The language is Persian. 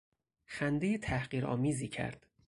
خندهی تحقیر آمیزی کرد.